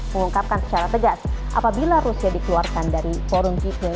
mengungkapkan secara tegas apabila rusia dikeluarkan dari forum g dua puluh